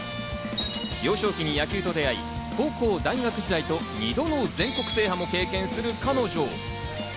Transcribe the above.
幼少期に野球と出会い、高校・大学時代と２度の全国制覇も経験する彼女。